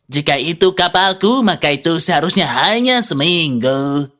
jika itu kapalku maka itu seharusnya hanya seminggu